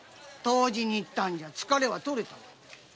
湯治に行ったんじゃ疲れはとれたわ。